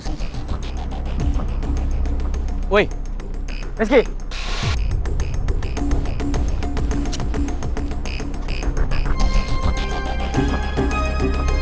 sumpah gua gak mau mati di dalam lift